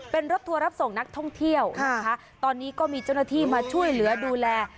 เป็นรถทัวร์รับส่งนักท่องเที่ยวนะคะตอนนี้ก็มีเจ้าหน้าที่มาช่วยเหลือดูแล